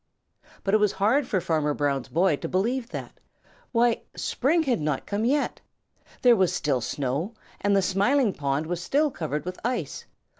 But it was hard for Farmer Brown's boy to believe that. Why, spring had not come yet! There was still snow, and the Smiling Pool was still covered with ice.